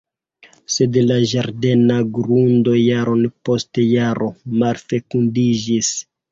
Sed la ĝardena grundo jaron post jaro malfekundiĝis.